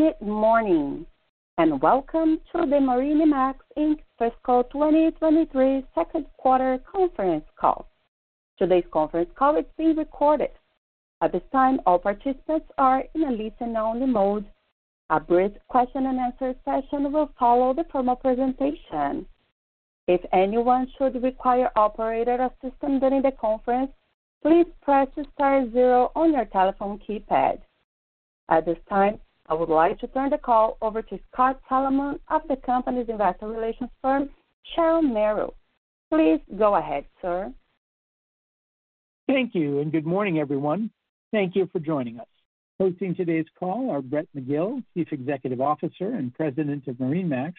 Good morning, and welcome to the MarineMax, Inc. Fiscal 2023 second quarter conference call. Today's conference call is being recorded. At this time, all participants are in a listen-only mode. A brief question-and-answer session will follow the formal presentation. If anyone should require operator assistance during the conference, please press star 0 on your telephone keypad. At this time, I would like to turn the call over to Scott Solomon of the company's investor relations firm, Sharon Merrill. Please go ahead, sir. Thank you, and good morning, everyone. Thank you for joining us. Hosting today's call are Brett McGill, Chief Executive Officer and President of MarineMax,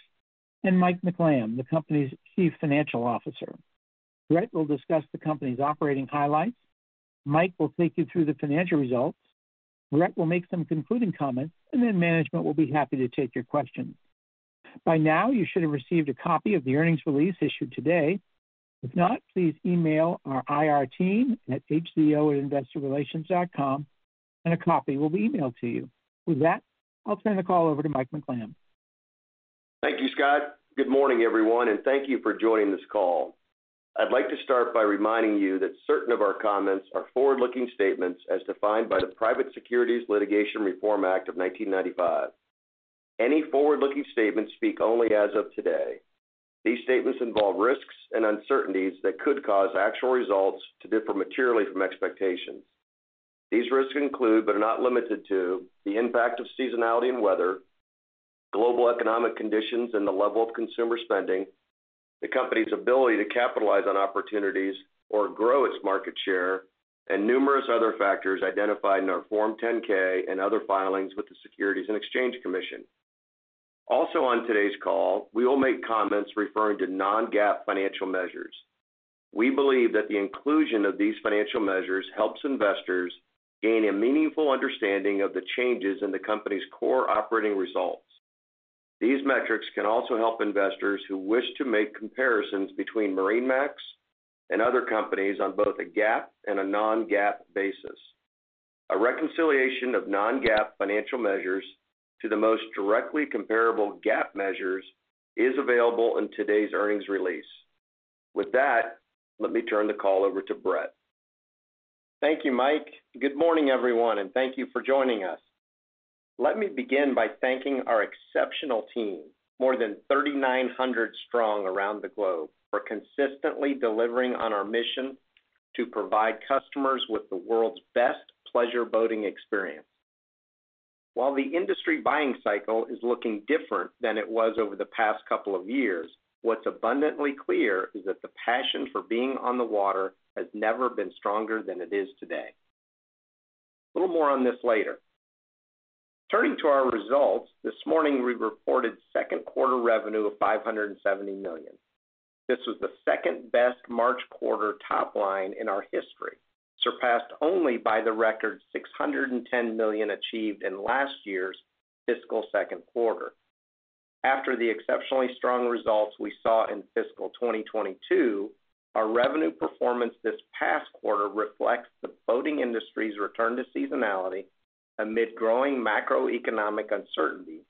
and Mike McLamb, the company's Chief Financial Officer. Brett will discuss the company's operating highlights. Mike will take you through the financial results. Brett will make some concluding comments, and then management will be happy to take your questions. By now, you should have received a copy of the earnings release issued today. If not, please email our IR team at hzo@investorrelations.com and a copy will be emailed to you. With that, I'll turn the call over to Mike McLamb. Thank you, Scott. Good morning, everyone, thank you for joining this call. I'd like to start by reminding you that certain of our comments are forward-looking statements as defined by the Private Securities Litigation Reform Act of 1995. Any forward-looking statements speak only as of today. These statements involve risks and uncertainties that could cause actual results to differ materially from expectations. These risks include, but are not limited to, the impact of seasonality and weather, global economic conditions and the level of consumer spending, the company's ability to capitalize on opportunities or grow its market share, and numerous other factors identified in our Form 10-K and other filings with the Securities and Exchange Commission. Also on today's call, we will make comments referring to non-GAAP financial measures. We believe that the inclusion of these financial measures helps investors gain a meaningful understanding of the changes in the company's core operating results. These metrics can also help investors who wish to make comparisons between MarineMax and other companies on both a GAAP and a non-GAAP basis. A reconciliation of non-GAAP financial measures to the most directly comparable GAAP measures is available in today's earnings release. With that, let me turn the call over to Brett. Thank you, Mike McLamb. Good morning, everyone, and thank you for joining us. Let me begin by thanking our exceptional team, more than 3,900 strong around the globe, for consistently delivering on our mission to provide customers with the world's best pleasure boating experience. While the industry buying cycle is looking different than it was over the past couple of years, what's abundantly clear is that the passion for being on the water has never been stronger than it is today. A little more on this later. Turning to our results, this morning we reported second quarter revenue of $570 million. This was the second-best March quarter top line in our history, surpassed only by the record $610 million achieved in last year's fiscal second quarter. After the exceptionally strong results we saw in fiscal 2022, our revenue performance this past quarter reflects the boating industry's return to seasonality amid growing macroeconomic uncertainty,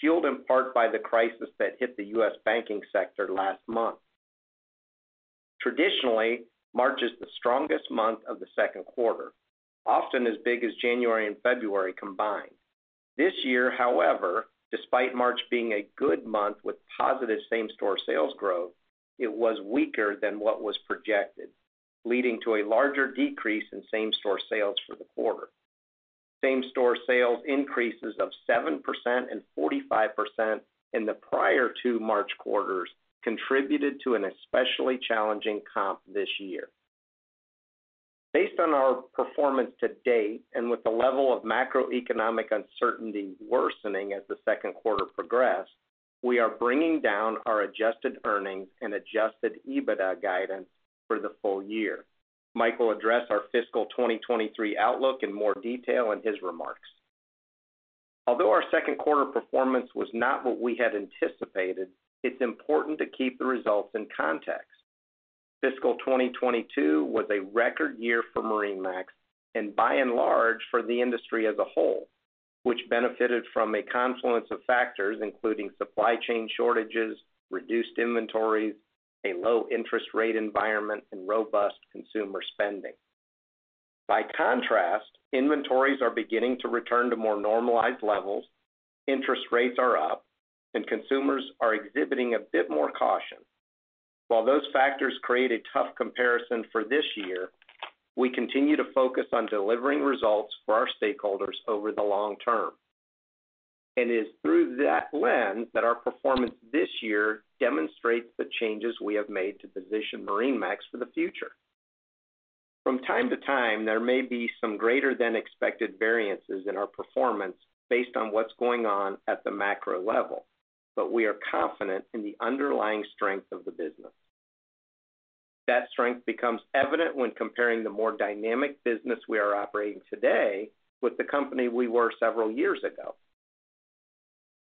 fueled in part by the crisis that hit the U.S. banking sector last month. Traditionally, March is the strongest month of the second quarter, often as big as January and February combined. This year, however, despite March being a good month with positive same-store sales growth, it was weaker than what was projected, leading to a larger decrease in same-store sales for the quarter. Same-store sales increases of 7% and 45% in the prior two March quarters contributed to an especially challenging comp this year. Based on our performance to date, with the level of macroeconomic uncertainty worsening as the second quarter progressed, we are bringing down our adjusted earnings and adjusted EBITDA guidance for the full year. Mike will address our fiscal 2023 outlook in more detail in his remarks. Although our second quarter performance was not what we had anticipated, it's important to keep the results in context. Fiscal 2022 was a record year for MarineMax and by and large for the industry as a whole, which benefited from a confluence of factors, including supply chain shortages, reduced inventories, a low interest rate environment, and robust consumer spending. By contrast, inventories are beginning to return to more normalized levels, interest rates are up, and consumers are exhibiting a bit more caution. While those factors create a tough comparison for this year, we continue to focus on delivering results for our stakeholders over the long term. It is through that lens that our performance this year demonstrates the changes we have made to position MarineMax for the future. From time to time, there may be some greater-than-expected variances in our performance based on what's going on at the macro level, but we are confident in the underlying strength of the business. That strength becomes evident when comparing the more dynamic business we are operating today with the company we were several years ago.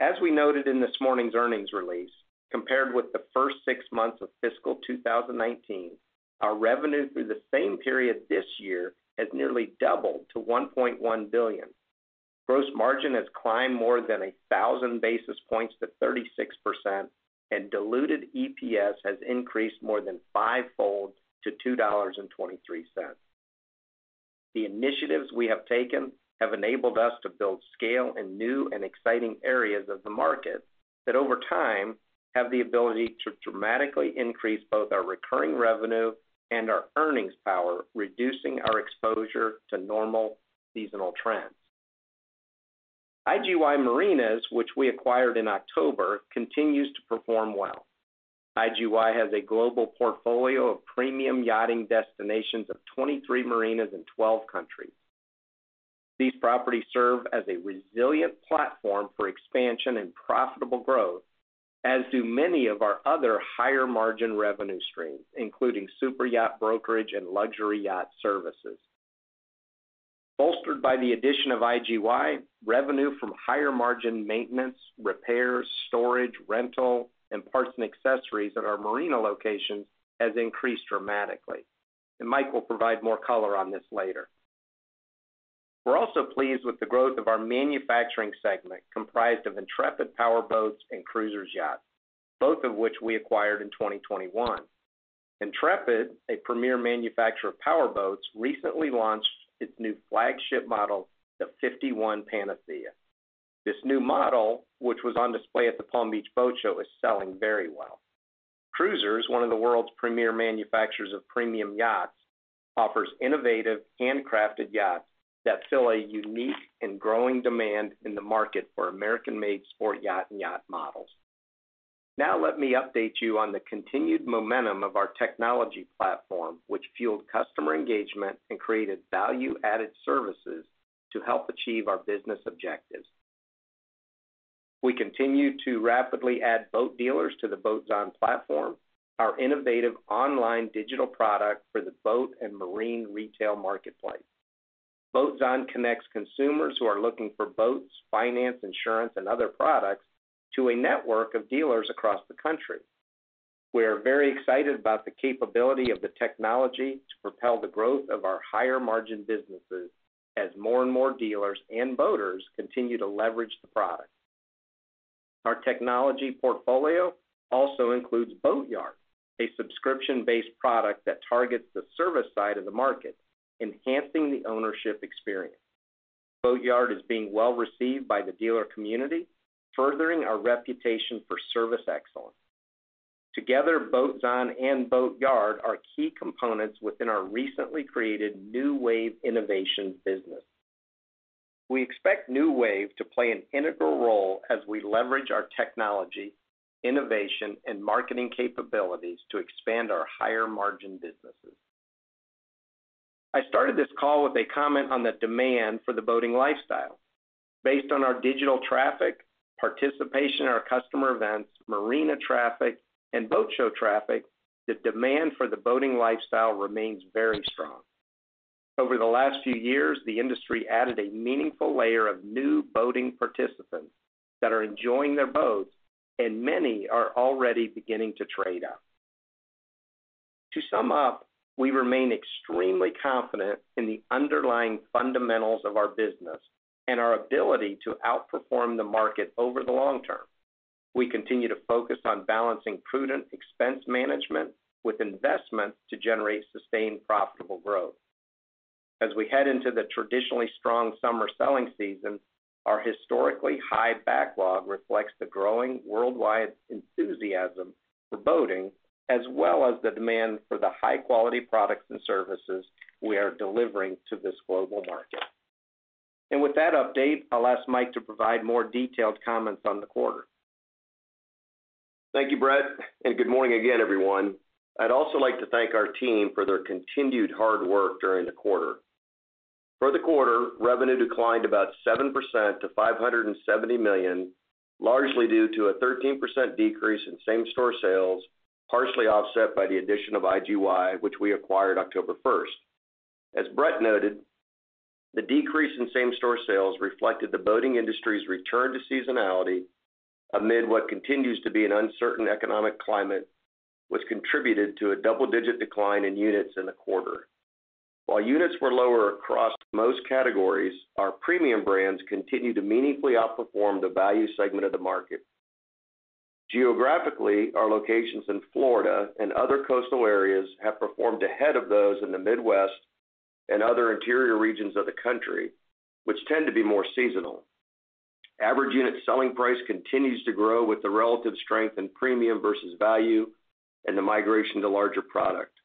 As we noted in this morning's earnings release, compared with the first six months of fiscal 2019, our revenue through the same period this year has nearly doubled to $1.1 billion. Gross margin has climbed more than 1,000 basis points to 36%, and diluted EPS has increased more than five-fold to $2.23. The initiatives we have taken have enabled us to build scale in new and exciting areas of the market that over time have the ability to dramatically increase both our recurring revenue and our earnings power, reducing our exposure to normal seasonal trends. IGY Marinas, which we acquired in October, continues to perform well. IGY has a global portfolio of premium yachting destinations of 23 marinas in 12 countries. These properties serve as a resilient platform for expansion and profitable growth, as do many of our other higher-margin revenue streams, including superyacht brokerage and luxury yacht services. Bolstered by the addition of IGY, revenue from higher-margin maintenance, repairs, storage, rental, and parts and accessories at our marina locations has increased dramatically. Mike will provide more color on this later. We're also pleased with the growth of our manufacturing segment comprised of Intrepid Powerboats and Cruisers Yachts, both of which we acquired in 2021. Intrepid, a premier manufacturer of powerboats, recently launched its new flagship model, the 51 Panacea. This new model, which was on display at the Palm Beach Boat Show, is selling very well. Cruisers, one of the world's premier manufacturers of premium yachts, offers innovative, handcrafted yachts that fill a unique and growing demand in the market for American-made sport yacht and yacht models. Let me update you on the continued momentum of our technology platform, which fueled customer engagement and created value-added services to help achieve our business objectives. We continue to rapidly add boat dealers to the Boatzon platform, our innovative online digital product for the boat and marine retail marketplace. Boatzon connects consumers who are looking for boats, finance, insurance, and other products to a network of dealers across the country. We are very excited about the capability of the technology to propel the growth of our higher-margin businesses as more and more dealers and boaters continue to leverage the product. Our technology portfolio also includes Boatyard, a subscription-based product that targets the service side of the market, enhancing the ownership experience. Boatyard is being well received by the dealer community, furthering our reputation for service excellence. Together, Boatzon and Boatyard are key components within our recently created New Wave Innovations business. We expect New Wave to play an integral role as we leverage our technology, innovation, and marketing capabilities to expand our higher-margin businesses. I started this call with a comment on the demand for the boating lifestyle. Based on our digital traffic, participation in our customer events, marina traffic, and boat show traffic, the demand for the boating lifestyle remains very strong. Over the last few years, the industry added a meaningful layer of new boating participants that are enjoying their boats, and many are already beginning to trade up. To sum up, we remain extremely confident in the underlying fundamentals of our business and our ability to outperform the market over the long term. We continue to focus on balancing prudent expense management with investment to generate sustained profitable growth. As we head into the traditionally strong summer selling season, our historically high backlog reflects the growing worldwide enthusiasm for boating, as well as the demand for the high-quality products and services we are delivering to this global market. With that update, I'll ask Mike to provide more detailed comments on the quarter. Thank you, Brett. Good morning again, everyone. I'd also like to thank our team for their continued hard work during the quarter. For the quarter, revenue declined about 7% to $570 million, largely due to a 13% decrease in same-store sales, partially offset by the addition of IGY, which we acquired October 1st. As Brett noted, the decrease in same-store sales reflected the boating industry's return to seasonality amid what continues to be an uncertain economic climate, which contributed to a double-digit decline in units in the quarter. While units were lower across most categories, our premium brands continued to meaningfully outperform the value segment of the market. Geographically, our locations in Florida and other coastal areas have performed ahead of those in the Midwest and other interior regions of the country, which tend to be more seasonal. Average unit selling price continues to grow with the relative strength in premium versus value and the migration to larger product.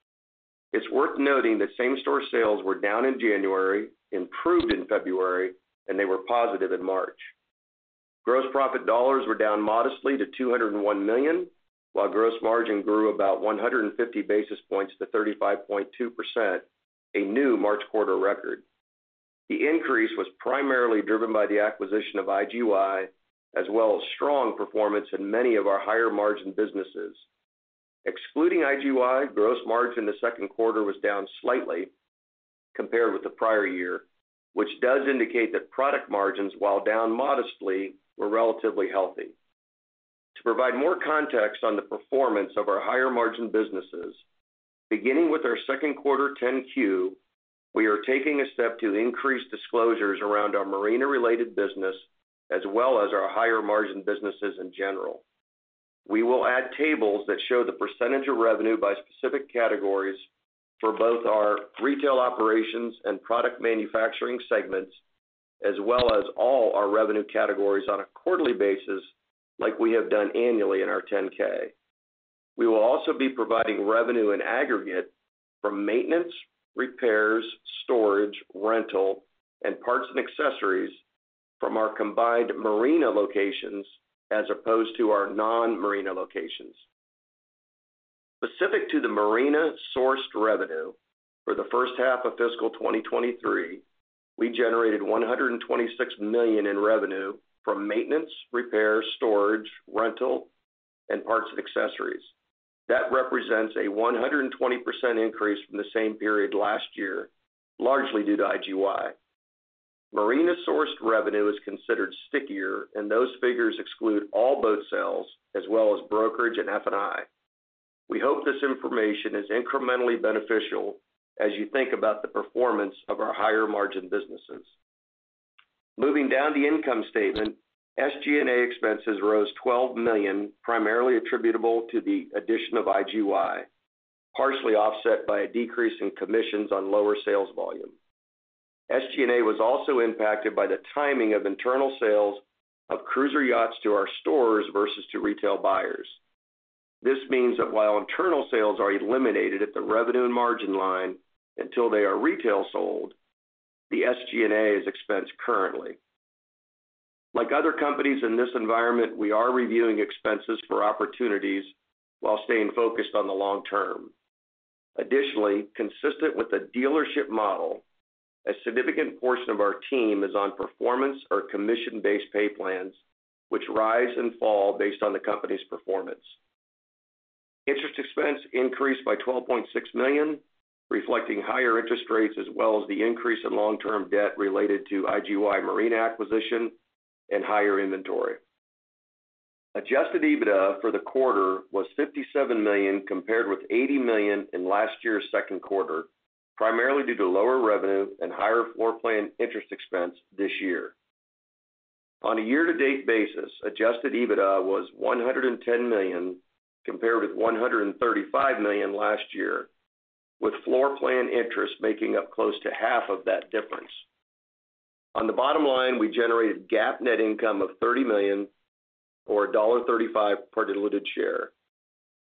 It's worth noting that same-store sales were down in January, improved in February, and they were positive in March. Gross profit dollars were down modestly to $201 million, while gross margin grew about 150 basis points to 35.2%, a new March quarter record. The increase was primarily driven by the acquisition of IGY as well as strong performance in many of our higher-margin businesses. Excluding IGY, gross margin in the second quarter was down slightly compared with the prior year, which does indicate that product margins, while down modestly, were relatively healthy. To provide more context on the performance of our higher margin businesses, beginning with our second quarter 10-Q, we are taking a step to increase disclosures around our marina-related business, as well as our higher margin businesses in general. We will add tables that show the % of revenue by specific categories for both our retail operations and product manufacturing segments, as well as all our revenue categories on a quarterly basis, like we have done annually in our 10-K. We will also be providing revenue in aggregate from maintenance, repairs, storage, rental, and parts and accessories from our combined marina locations as opposed to our non-marina locations. Specific to the marina-sourced revenue, for the first half of fiscal 2023, we generated $126 million in revenue from maintenance, repairs, storage, rental, and parts and accessories. That represents a 120% increase from the same period last year, largely due to IGY. Marina-sourced revenue is considered stickier, and those figures exclude all boat sales as well as brokerage and F&I. We hope this information is incrementally beneficial as you think about the performance of our higher margin businesses. Moving down the income statement, SG&A expenses rose $12 million, primarily attributable to the addition of IGY, partially offset by a decrease in commissions on lower sales volume. SG&A was also impacted by the timing of internal sales of Cruisers Yachts to our stores versus to retail buyers. This means that while internal sales are eliminated at the revenue and margin line until they are retail sold, the SG&A is expensed currently. Like other companies in this environment, we are reviewing expenses for opportunities while staying focused on the long term. Additionally, consistent with the dealership model, a significant portion of our team is on performance or commission-based pay plans, which rise and fall based on the company's performance. Interest expense increased by $12.6 million, reflecting higher interest rates as well as the increase in long-term debt related to IGY marina acquisition and higher inventory. adjusted EBITDA for the quarter was $57 million, compared with $80 million in last year's second quarter, primarily due to lower revenue and higher floorplan interest expense this year. On a year-to-date basis, adjusted EBITDA was $110 million, compared with $135 million last year, with floorplan interest making up close to half of that difference. On the bottom line, we generated GAAP net income of $30 million or $1.35 per diluted share.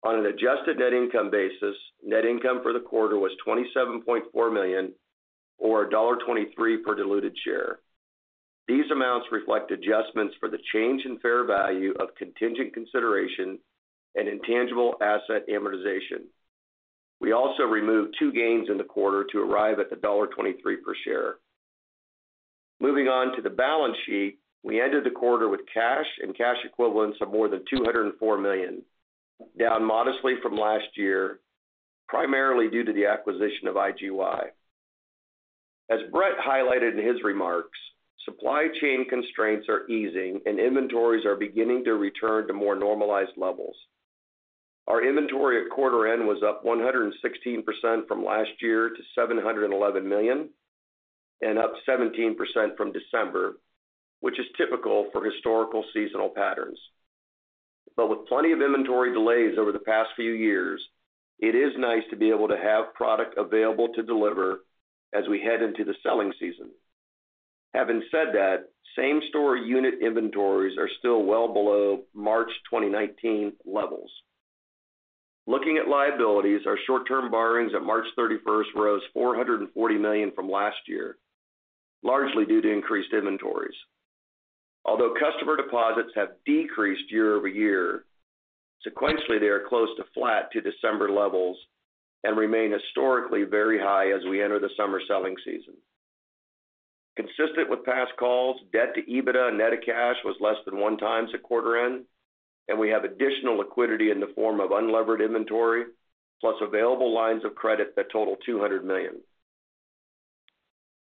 On an adjusted net income basis, net income for the quarter was $27.4 million or $1.23 per diluted share. These amounts reflect adjustments for the change in fair value of contingent consideration and intangible asset amortization. We also removed two gains in the quarter to arrive at the $1.23 per share. Moving on to the balance sheet. We ended the quarter with cash and cash equivalents of more than $204 million, down modestly from last year, primarily due to the acquisition of IGY. As Brett highlighted in his remarks, supply chain constraints are easing and inventories are beginning to return to more normalized levels. Our inventory at quarter end was up 116% from last year to $711 million and up 17% from December, which is typical for historical seasonal patterns. With plenty of inventory delays over the past few years, it is nice to be able to have product available to deliver as we head into the selling season. Having said that, same-store unit inventories are still well below March 2019 levels. Looking at liabilities, our short-term borrowings at March thirty-first rose $440 million from last year, largely due to increased inventories. Although customer deposits have decreased year-over-year, sequentially, they are close to flat to December levels and remain historically very high as we enter the summer selling season. Consistent with past calls, debt to EBITDA and net-to-cash was less than 1x at quarter end, and we have additional liquidity in the form of unlevered inventory, plus available lines of credit that total $200 million.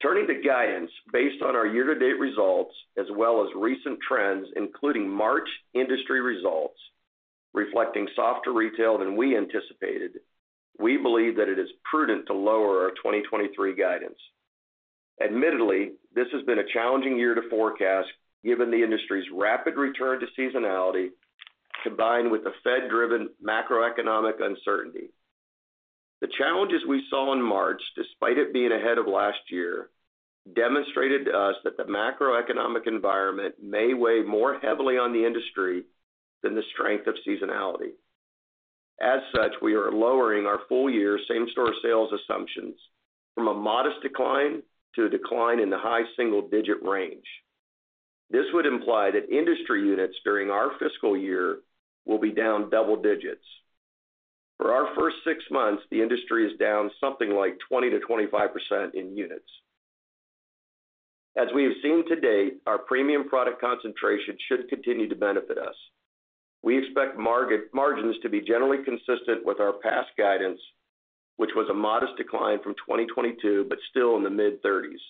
Turning to guidance, based on our year-to-date results as well as recent trends, including March industry results reflecting softer retail than we anticipated, we believe that it is prudent to lower our 2023 guidance. Admittedly, this has been a challenging year to forecast given the industry's rapid return to seasonality combined with the Fed-driven macroeconomic uncertainty. The challenges we saw in March, despite it being ahead of last year, demonstrated to us that the macroeconomic environment may weigh more heavily on the industry than the strength of seasonality. We are lowering our full year same-store sales assumptions from a modest decline to a decline in the high single-digit range. This would imply that industry units during our fiscal year will be down double digits. For our first 6 months, the industry is down something like 20%-25% in units. As we have seen to date, our premium product concentration should continue to benefit us. We expect margins to be generally consistent with our past guidance, which was a modest decline from 2022 but still in the mid-30s.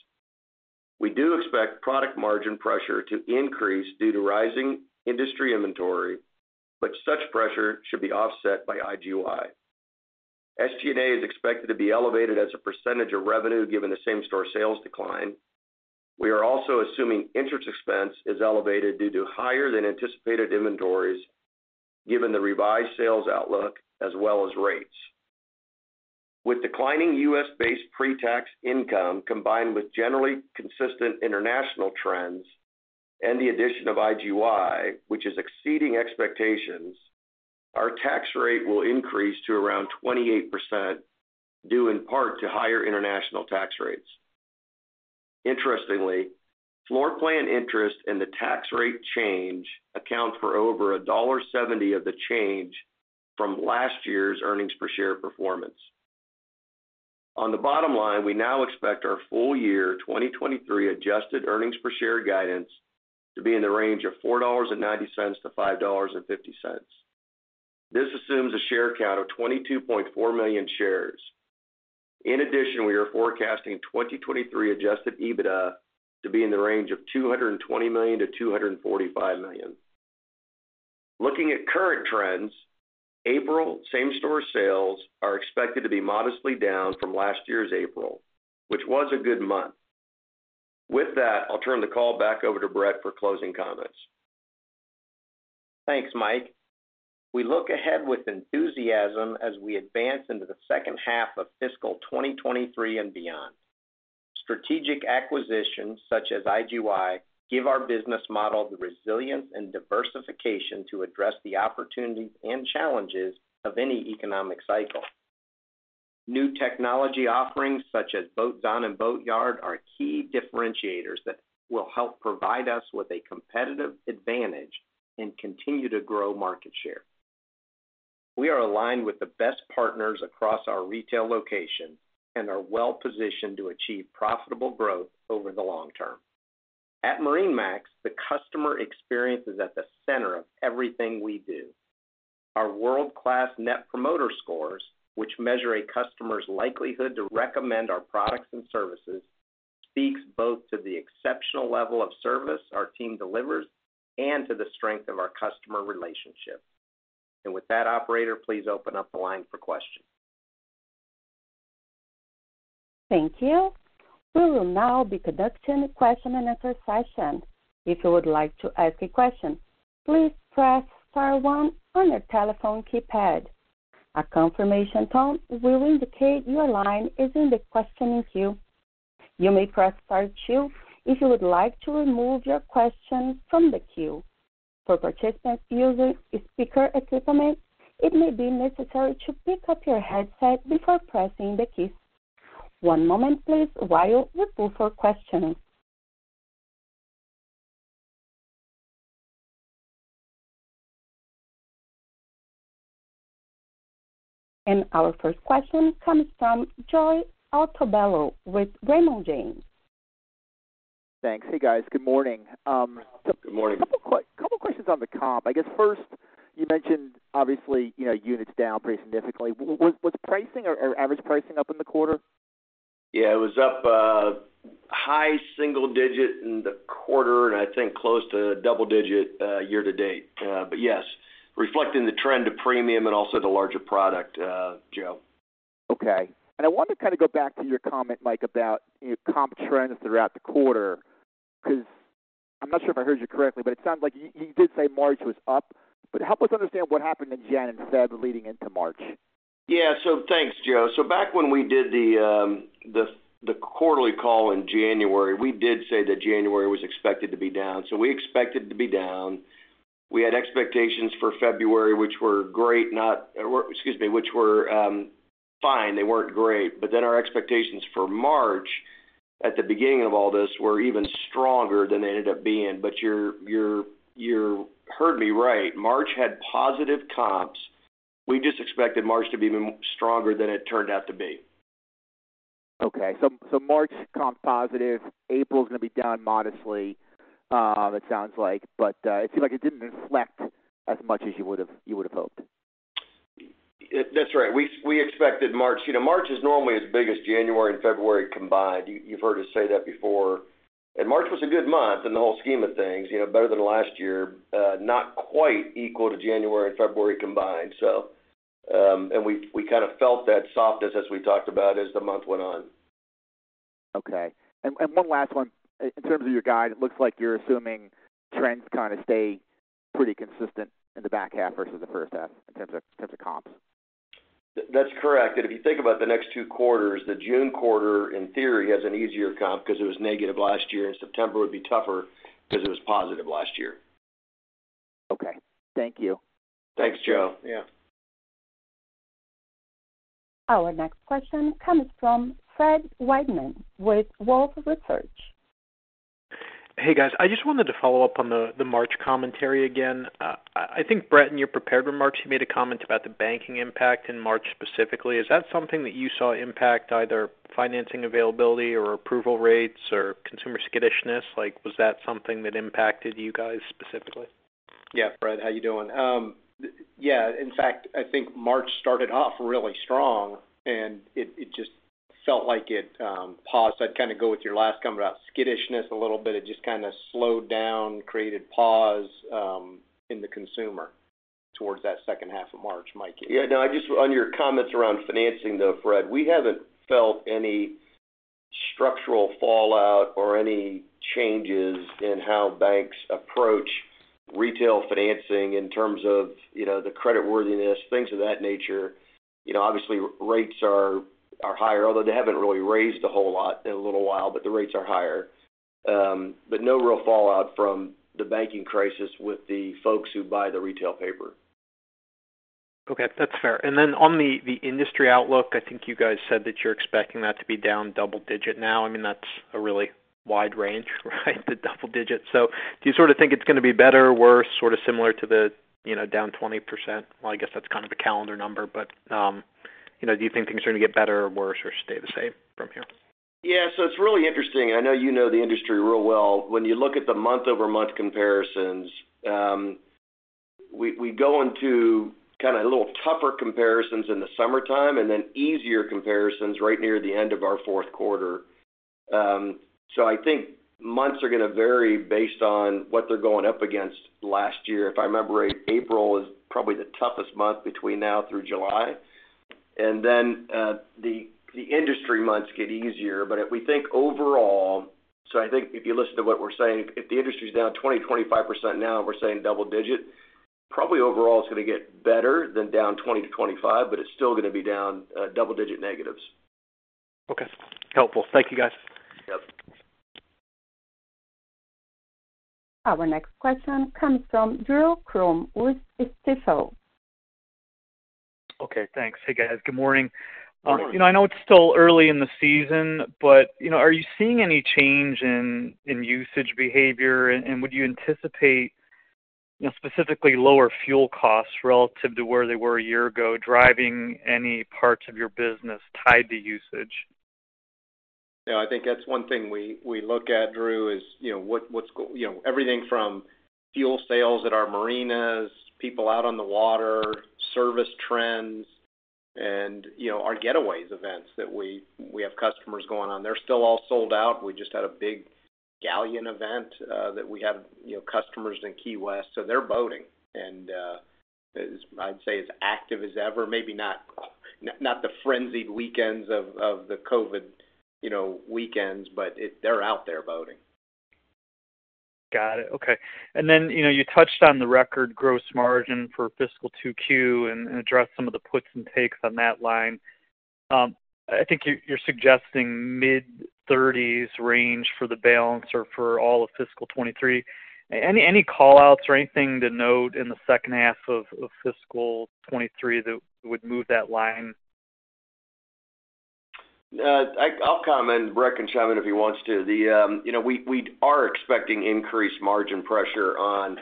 We do expect product margin pressure to increase due to rising industry inventory, but such pressure should be offset by IGY. SG&A is expected to be elevated as a % of revenue given the same-store sales decline. We are also assuming interest expense is elevated due to higher than anticipated inventories given the revised sales outlook as well as rates. With declining U.S.-based pretax income combined with generally consistent international trends and the addition of IGY, which is exceeding expectations, our tax rate will increase to around 28% due in part to higher international tax rates. Interestingly, floorplan interest and the tax rate change account for over $1.70 of the change from last year's earnings per share performance. On the bottom line, we now expect our full year 2023 adjusted earnings per share guidance to be in the range of $4.90-$5.50. This assumes a share count of 22.4 million shares. In addition, we are forecasting 2023 adjusted EBITDA to be in the range of $220 million-$245 million. Looking at current trends, April same-store sales are expected to be modestly down from last year's April, which was a good month. With that, I'll turn the call back over to Brett for closing comments. Thanks, Mike. We look ahead with enthusiasm as we advance into the second half of fiscal 2023 and beyond. Strategic acquisitions such as IGY give our business model the resilience and diversification to address the opportunities and challenges of any economic cycle. New technology offerings such as Boatzon and Boatyard are key differentiators that will help provide us with a competitive advantage and continue to grow market share. We are aligned with the best partners across our retail locations and are well-positioned to achieve profitable growth over the long term. At MarineMax, the customer experience is at the center of everything we do. Our world-class Net Promoter Scores, which measure a customer's likelihood to recommend our products and services, speaks both to the exceptional level of service our team delivers and to the strength of our customer relationships. With that, operator, please open up the line for questions. Thank you. We will now be conducting a question and answer session. If you would like to ask a question, please press star one on your telephone keypad. A confirmation tone will indicate your line is in the questioning queue. You may press star two if you would like to remove your question from the queue. For participants using speaker equipment, it may be necessary to pick up your headset before pressing the keys. One moment please while we look for questions. Our first question comes from Joseph Altobello with Raymond James. Thanks. Hey, guys. Good morning. Good morning. A couple questions on the comp. I guess, first, you mentioned obviously, you know, units down pretty significantly. Was pricing or average pricing up in the quarter? Yeah. It was up, high single digit in the quarter and I think close to double digit, year-to-date. Yes, reflecting the trend to premium and also the larger product, Joe. Okay. I wanted to kind of go back to your comment, Mike, about comp trends throughout the quarter, 'cause I'm not sure if I heard you correctly, but it sounds like you did say March was up. Help us understand what happened in Jan and Feb leading into March? Yeah. Thanks, Joe. Back when we did the quarterly call in January, we did say that January was expected to be down. We expected to be down. We had expectations for February, which were great, or excuse me, which were fine. They weren't great. Our expectations for March, at the beginning of all this, were even stronger than they ended up being. You heard me right. March had positive comps. We just expected March to be even stronger than it turned out to be. Okay. March comp positive. April's gonna be down modestly, it sounds like. It seemed like it didn't reflect as much as you would have hoped. That's right. We expected March, you know, March is normally as big as January and February combined. You've heard us say that before. March was a good month in the whole scheme of things, you know, better than last year. Not quite equal to January and February combined. We kind of felt that softness as we talked about as the month went on. Okay. One last one. In terms of your guide, it looks like you're assuming trends kind of stay pretty consistent in the back half versus the first half in terms of, in terms of comps. That's correct. If you think about the next 2 quarters, the June quarter, in theory, has an easier comp because it was negative last year, and September would be tougher because it was positive last year. Okay. Thank you. Thanks, Joe. Yeah. Our next question comes from Fred Wightman with Wolfe Research. Hey guys, I just wanted to follow up on the March commentary again. I think, Brett, in your prepared remarks, you made a comment about the banking impact in March specifically. Is that something that you saw impact either financing availability or approval rates or consumer skittishness? Like, was that something that impacted you guys specifically? Yeah. Brett, how you doing? Yeah, in fact, I think March started off really strong, and it just felt like it paused. I'd kind of go with your last comment about skittishness a little bit. It just kind of slowed down, created pause, in the consumer towards that second half of March, Mike. Yeah, no. On your comments around financing, though, Fred, we haven't felt any structural fallout or any changes in how banks approach retail financing in terms of, you know, the creditworthiness, things of that nature. You know, obviously rates are higher, although they haven't really raised a whole lot in a little while, but the rates are higher. No real fallout from the banking crisis with the folks who buy the retail paper. Okay, that's fair. On the industry outlook, I think you guys said that you're expecting that to be down double-digit now. I mean, that's a really wide range, right? The double digits. Do you sort of think it's gonna be better, worse, sort of similar to the, you know, down 20%? I guess that's kind of the calendar number, but, you know, do you think things are gonna get better or worse or stay the same from here? Yeah, so it's really interesting, and I know you know the industry real well. When you look at the month-over-month comparisons, we go into kind of little tougher comparisons in the summertime and then easier comparisons right near the end of our fourth quarter. I think months are gonna vary based on what they're going up against last year. If I remember right, April is probably the toughest month between now through July. The industry months get easier. If we think overall, I think if you listen to what we're saying, if the industry is down 20%-25% now and we're saying double-digit, probably overall it's gonna get better than down 20%-25%, but it's still gonna be down double-digit negatives. Okay. Helpful. Thank you, guys. Yep. Our next question comes from Drew Crum with Stifel. Okay, thanks. Hey, guys. Good morning. Good morning. You know, I know it's still early in the season, but, you know, are you seeing any change in usage behavior? Would you anticipate, you know, specifically lower fuel costs relative to where they were a year ago, driving any parts of your business tied to usage? You know, I think that's one thing we look at, Drew, is, you know, what you know, everything from fuel sales at our marinas, people out on the water, service trends and, you know, our getaways events that we have customers going on. They're still all sold out. We just had a big Galeon event that we have, you know, customers in Key West, so they're boating. It is, I'd say, as active as ever, maybe not the frenzied weekends of the COVID, you know, weekends, but they're out there boating. Got it. Okay. You know, you touched on the record gross margin for fiscal 2Q and addressed some of the puts and takes on that line. I think you're suggesting mid-thirties range for the balance or for all of fiscal 2023. Any call-outs or anything to note in the second half of fiscal 2023 that would move that line? I'll comment, Brett can chime in if he wants to. You know, we are expecting increased margin pressure on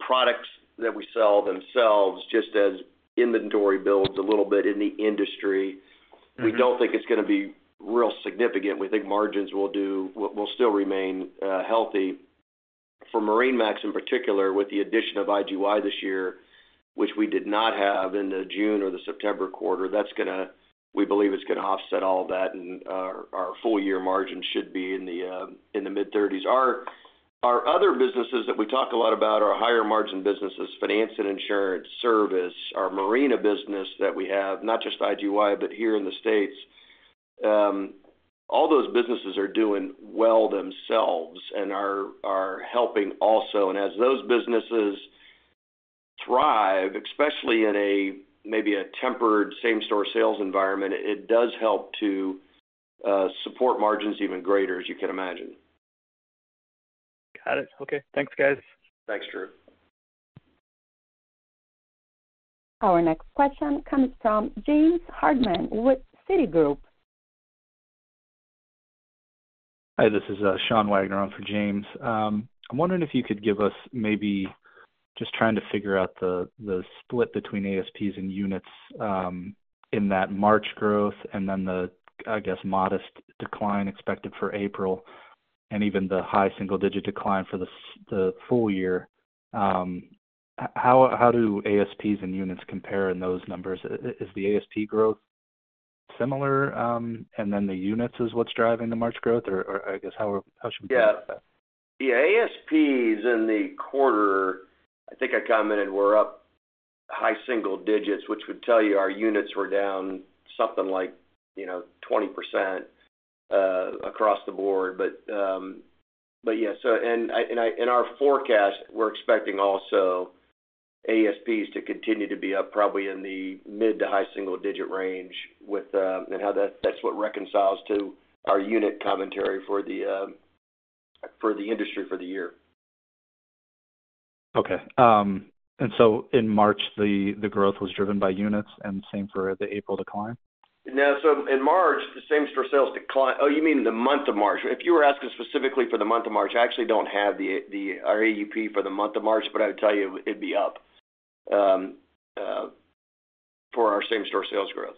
products that we sell themselves just as inventory builds a little bit in the industry. Mm-hmm. We don't think it's gonna be real significant. We think margins will still remain healthy. For MarineMax in particular, with the addition of IGY this year, which we did not have in the June or the September quarter, we believe it's gonna offset all that and our full year margin should be in the mid-thirties. Our other businesses that we talk a lot about are higher margin businesses, finance and insurance, service, our marina business that we have, not just IGY, but here in the States. All those businesses are doing well themselves and are helping also. As those businesses thrive, especially in a maybe a tempered same-store sales environment, it does help to support margins even greater, as you can imagine. Got it. Okay. Thanks, guys. Thanks, Drew. Our next question comes from James Hardiman with Citigroup. Hi, this is Sean Wagner on for James. I'm wondering if you could give us maybe just trying to figure out the split between ASPs and units in that March growth and then the, I guess, modest decline expected for April and even the high single digit decline for the full year. How do ASPs and units compare in those numbers? Is the ASP growth similar, and then the units is what's driving the March growth? Or I guess, how should we think about that? Yeah. The ASPs in the quarter, I think I commented we're up high single digits, which would tell you our units were down something like, you know, 20%, across the board. Yeah, in our forecast, we're expecting also ASPs to continue to be up probably in the mid to high single digit range with, and how that's what reconciles to our unit commentary for the industry for the year. Okay. In March, the growth was driven by units and same for the April decline? No. In March, the same-store sales decline... Oh, you mean the month of March. If you were asking specifically for the month of March, I actually don't have the our AUP for the month of March. I would tell you it'd be up for our same-store sales growth.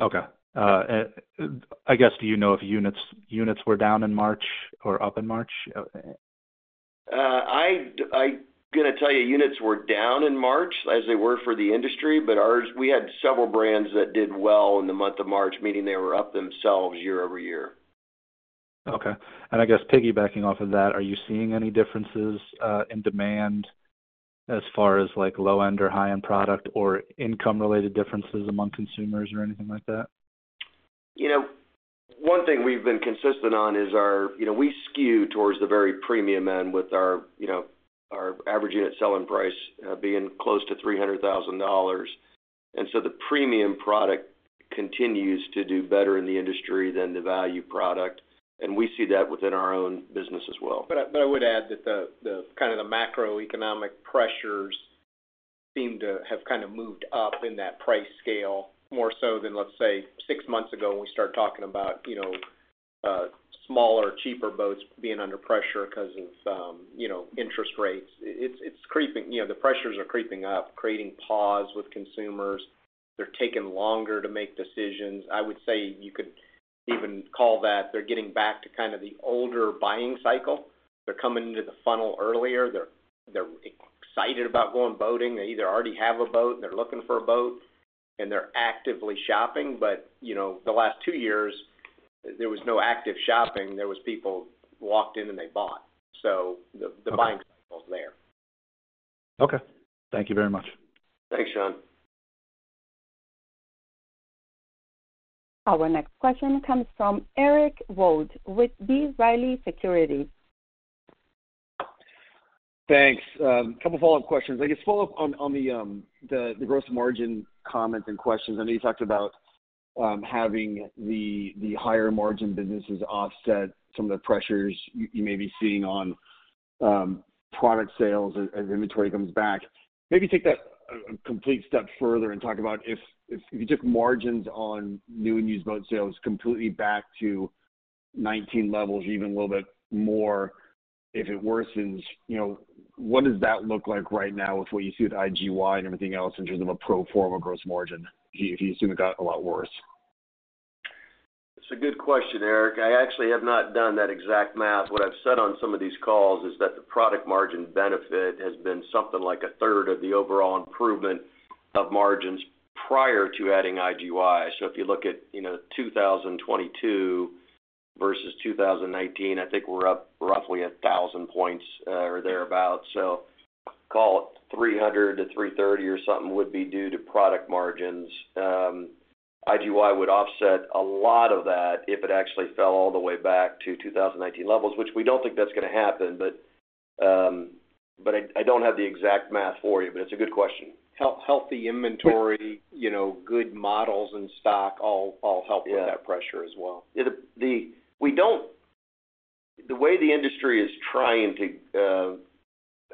Okay. I guess, do you know if units were down in March or up in March? I gonna tell you units were down in March as they were for the industry, ours, we had several brands that did well in the month of March, meaning they were up themselves year-over-year. Okay. I guess piggybacking off of that, are you seeing any differences, in demand as far as, like, low-end or high-end product or income-related differences among consumers or anything like that? You know, one thing we've been consistent on is our... You know, we skew towards the very premium end with our, you know, our average unit selling price, being close to $300,000. The premium product continues to do better in the industry than the value product, and we see that within our own business as well. I would add that the kind of the macroeconomic pressures seem to have kind of moved up in that price scale, more so than, let's say, 6 months ago when we start talking about, you know, smaller, cheaper boats being under pressure because of, you know, interest rates. It's creeping. You know, the pressures are creeping up, creating pause with consumers. They're taking longer to make decisions. I would say you could even call that they're getting back to kind of the older buying cycle. They're coming into the funnel earlier. They're excited about going boating. They either already have a boat, and they're looking for a boat, and they're actively shopping. You know, the last 2 years there was no active shopping. There was people walked in, and they bought. Okay... buying cycle's there. Okay. Thank you very much. Thanks, Sean. Our next question comes from Eric Wold with B. Riley Securities. Thanks. A couple follow-up questions. I guess follow up on the gross margin comments and questions. I know you talked about having the higher margin businesses offset some of the pressures you may be seeing on product sales as inventory comes back. Maybe take that a complete step further and talk about if you took margins on new and used boat sales completely back to 19 levels, even a little bit more if it worsens, you know, what does that look like right now with what you see with IGY and everything else in terms of a pro forma gross margin if you assume it got a lot worse? It's a good question, Eric. I actually have not done that exact math. What I've said on some of these calls is that the product margin benefit has been something like a third of the overall improvement of margins prior to adding IGY. If you look at, you know, 2022 versus 2019, I think we're up roughly 1,000 points or thereabout. Call it 300 to 330 or something would be due to product margins. IGY would offset a lot of that if it actually fell all the way back to 2019 levels, which we don't think that's gonna happen. I don't have the exact math for you, it's a good question. Healthy inventory, you know, good models and stock all help- Yeah... with that pressure as well. Yeah. The way the industry is trying to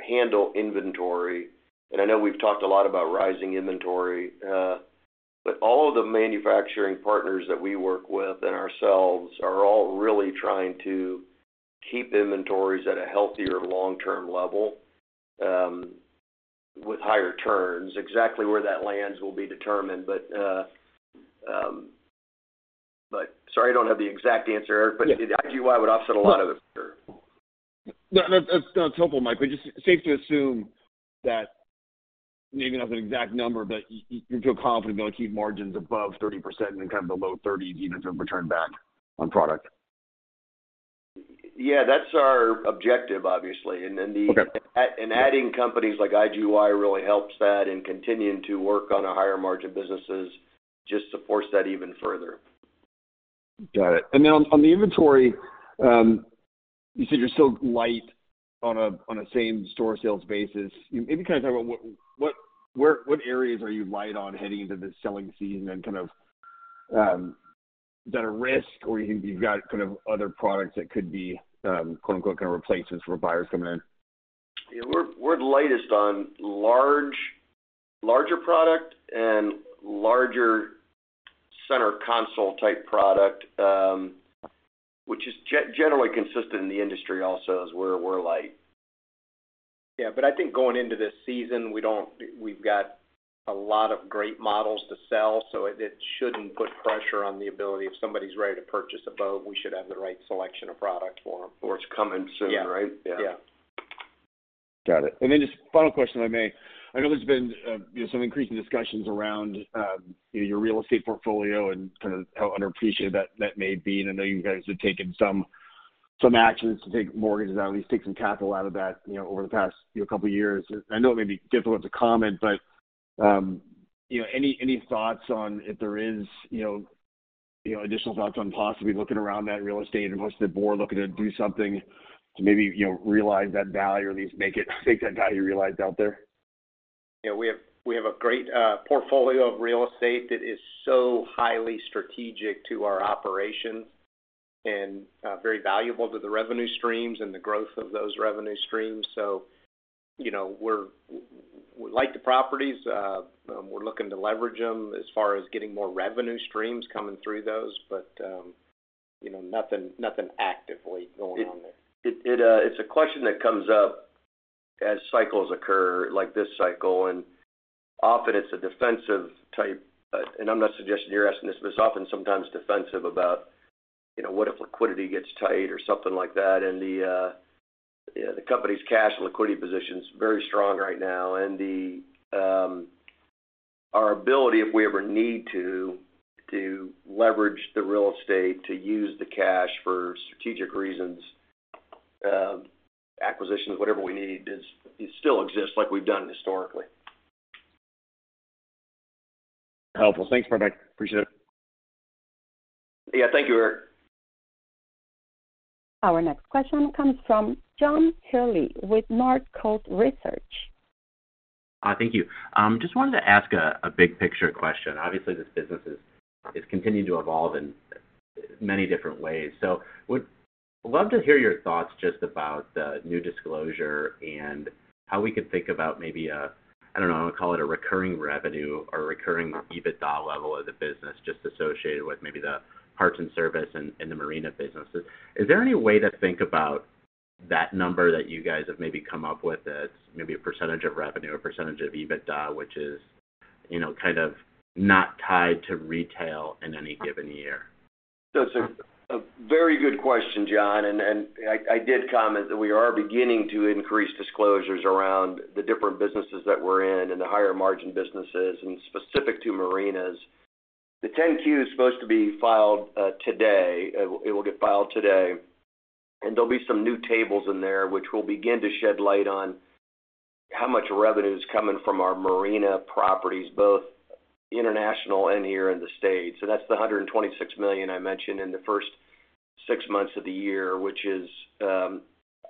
handle inventory, and I know we've talked a lot about rising inventory, but all of the manufacturing partners that we work with and ourselves are all really trying to keep inventories at a healthier long-term level, with higher turns. Exactly where that lands will be determined. Sorry, I don't have the exact answer, Eric. Yeah. IGY would offset a lot of it for sure. No, that's helpful, Mike. Just safe to assume that maybe not the exact number, but you feel confident you're gonna keep margins above 30% and kind of the low thirties even if some return back on product? Yeah, that's our objective, obviously. Okay. Adding companies like IGY really helps that and continuing to work on our higher margin businesses just to force that even further. Got it. On, on the inventory, you said you're still light on a, on a same-store sales basis. Maybe kind of talk about what areas are you light on heading into the selling season and kind of, is that a risk? Or you've got kind of other products that could be, quote, unquote, kind of replacements for buyers coming in? Yeah. We're the lightest on larger product and larger center console type product, which is generally consistent in the industry also is where we're light. Yeah. I think going into this season, we've got a lot of great models to sell, it shouldn't put pressure on the ability. If somebody's ready to purchase a boat, we should have the right selection of product for them. It's coming soon, right? Yeah. Yeah. Got it. Just final question, if I may. I know there's been, you know, some increasing discussions around, you know, your real estate portfolio and kind of how underappreciated that may be, and I know you guys have taken some actions to take mortgages out, at least take some capital out of that, you know, over the past, you know, couple of years. I know it may be difficult to comment, but, you know, any thoughts on if there is, you know, additional thoughts on possibly looking around that real estate and what's the board looking to do something to maybe, you know, realize that value or at least make that value realized out there? You know, we have a great portfolio of real estate that is so highly strategic to our operations and very valuable to the revenue streams and the growth of those revenue streams. You know, we like the properties. We're looking to leverage them as far as getting more revenue streams coming through those but, you know, nothing actively going on there. It's a question that comes up as cycles occur like this cycle. Often it's a defensive type. I'm not suggesting you're asking this, but it's often sometimes defensive about, you know, what if liquidity gets tight or something like that. The company's cash and liquidity position is very strong right now. Our ability, if we ever need to leverage the real estate, to use the cash for strategic reasons, acquisitions, whatever we need, it still exists like we've done historically. Helpful. Thanks, Brett. Appreciate it. Yeah, thank you, Eric. Our next question comes from John Healy with Northcoast Research. Thank you. Just wanted to ask a big picture question. Obviously, this business is continuing to evolve in many different ways. Would love to hear your thoughts just about the new disclosure and how we could think about maybe a, I don't know, call it a recurring revenue or recurring EBITDA level of the business just associated with maybe the parts and service and the marina businesses. Is there any way to think about that number that you guys have maybe come up with that's maybe a % of revenue or % of EBITDA, which is, you know, kind of not tied to retail in any given year? That's a very good question, John, and I did comment that we are beginning to increase disclosures around the different businesses that we're in and the higher margin businesses and specific to marinas. The 10-Q is supposed to be filed today. It will get filed today, and there'll be some new tables in there which will begin to shed light on how much revenue is coming from our marina properties, both international and here in the States. That's the $126 million I mentioned in the first six months of the year, which is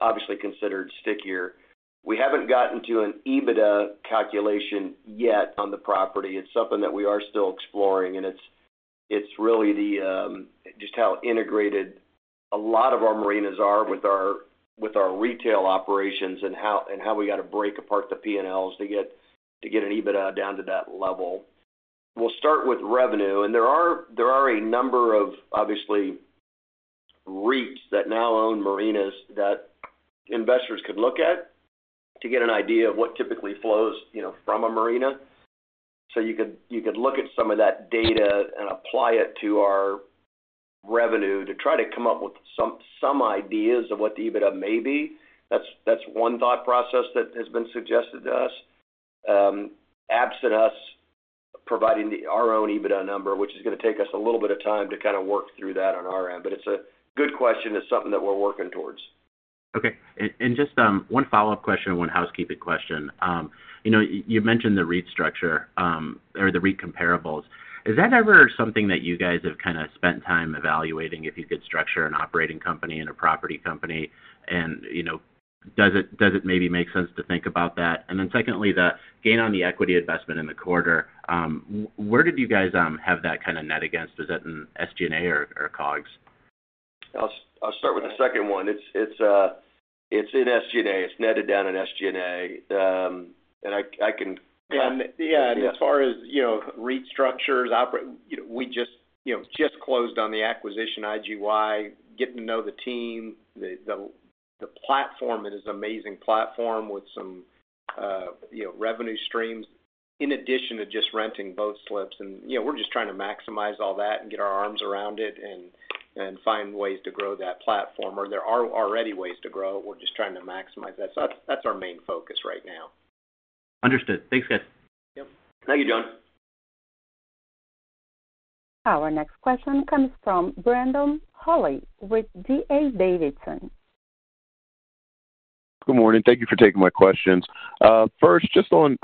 obviously considered stickier. We haven't gotten to an EBITDA calculation yet on the property. It's something that we are still exploring. It's really the just how integrated a lot of our marinas are with our retail operations and how we got to break apart the P&Ls to get an EBITDA down to that level. We'll start with revenue. There are a number of obviously REITs that now own marinas that investors could look at to get an idea of what typically flows, you know, from a marina. You could look at some of that data and apply it to our revenue to try to come up with some ideas of what the EBITDA may be. That's one thought process that has been suggested to us, absent us providing our own EBITDA number, which is gonna take us a little bit of time to kind of work through that on our end. It's a good question. It's something that we're working towards. Just one follow-up question and one housekeeping question. You know, you mentioned the REIT structure or the REIT comparables. Is that ever something that you guys have kind of spent time evaluating if you could structure an operating company and a property company? You know, does it maybe make sense to think about that? Then secondly, the gain on the equity investment in the quarter, where did you guys have that kind of net against? Was that in SG&A or COGS? I'll start with the second one. It's in SG&A. It's netted down in SG&A. Yeah, as far as, you know, REIT structures, you know, we just, you know, just closed on the acquisition, IGY, getting to know the team. The platform, it is amazing platform with some, you know, revenue streams in addition to just renting boat slips. You know, we're just trying to maximize all that and get our arms around it and find ways to grow that platform, or there are already ways to grow. We're just trying to maximize that. That's our main focus right now. Understood. Thanks, guys. Yep. Thank you, John. Our next question comes from Brandon Rollé with D.A. Davidson. Good morning. Thank you for taking my questions. First, just on,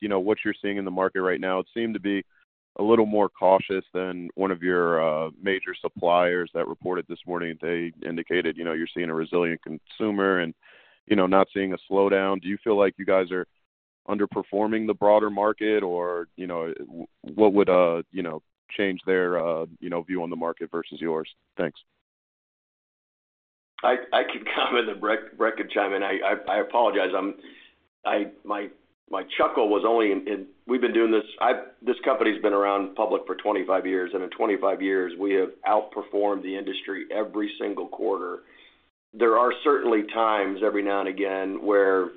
you know, what you're seeing in the market right now, it seemed to be a little more cautious than one of your major suppliers that reported this morning. They indicated, you know, you're seeing a resilient consumer and, you know, not seeing a slowdown. Do you feel like you guys are underperforming the broader market? Or, you know, what would, you know, change their, you know, view on the market versus yours? Thanks. I can comment and Brett can chime in. I apologize. My chuckle was only in... This company's been around public for 25 years. In 25 years, we have outperformed the industry every single quarter. There are certainly times every now and again where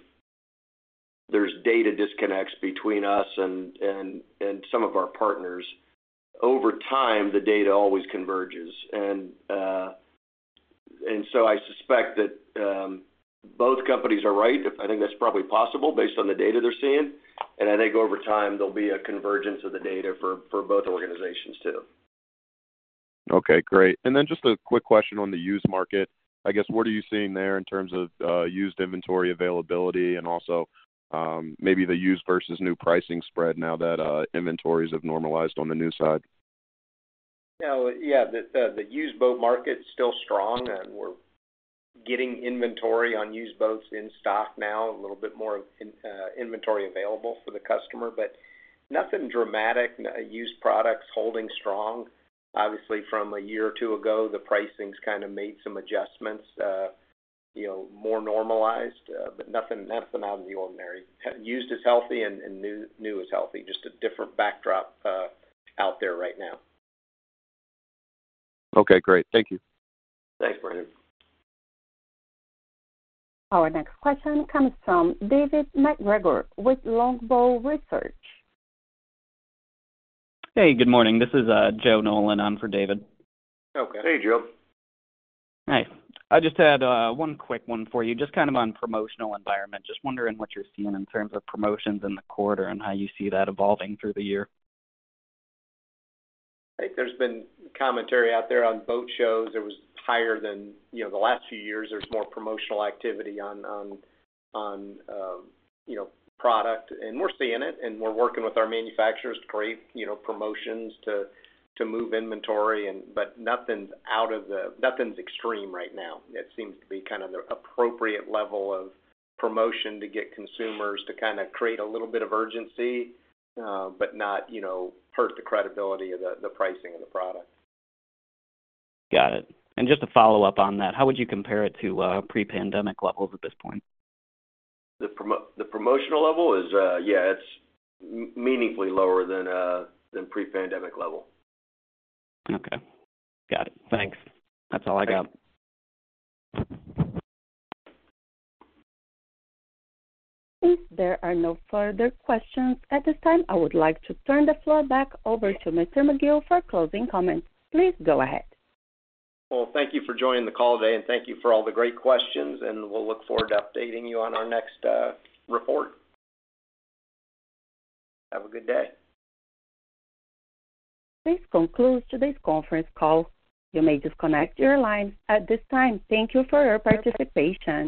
there's data disconnects between us and some of our partners. Over time, the data always converges. I suspect that both companies are right. I think that's probably possible based on the data they're seeing. I think over time, there'll be a convergence of the data for both organizations too. Okay, great. Just a quick question on the used market. I guess, what are you seeing there in terms of used inventory availability and also, maybe the used versus new pricing spread now that inventories have normalized on the new side? No, yeah, the used boat market's still strong. We're getting inventory on used boats in stock now, a little bit more inventory available for the customer, but nothing dramatic. Used products holding strong. Obviously, from a year or two ago, the pricing's kind of made some adjustments, you know, more normalized, but nothing out of the ordinary. Used is healthy and new is healthy, just a different backdrop out there right now. Okay, great. Thank you. Thanks, Brandon. Our next question comes from David MacGregor with Longbow Research. Hey, good morning. This is Joe Nolan on for David. Okay. Hey, Joe. Hi. I just had one quick one for you, just kind of on promotional environment. Just wondering what you're seeing in terms of promotions in the quarter and how you see that evolving through the year? I think there's been commentary out there on boat shows. It was higher than, you know, the last few years. There's more promotional activity on, you know, product. We're seeing it, and we're working with our manufacturers to create, you know, promotions to move inventory and. Nothing's extreme right now. It seems to be kind of the appropriate level of promotion to get consumers to kind of create a little bit of urgency, but not, you know, hurt the credibility of the pricing of the product. Got it. just to follow up on that, how would you compare it to pre-pandemic levels at this point? The promotional level is, yeah, it's meaningfully lower than pre-pandemic level. Okay. Got it. Thanks. That's all I got. If there are no further questions at this time, I would like to turn the floor back over to Mr. McGill for closing comments. Please go ahead. Thank you for joining the call today. Thank you for all the great questions. We'll look forward to updating you on our next report. Have a good day. This concludes today's conference call. You may disconnect your lines at this time. Thank you for your participation.